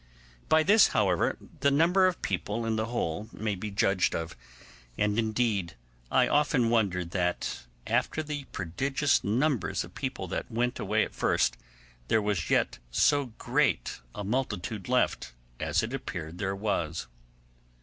By this, however, the number of people in the whole may be judged of; and, indeed, I often wondered that, after the prodigious numbers of people that went away at first, there was yet so great a multitude left as it appeared there was.